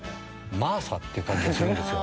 マーサっていう感じがするんですよ」